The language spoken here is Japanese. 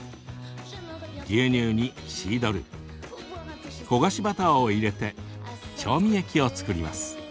牛乳に、シードル焦がしバターを入れて調味液を作ります。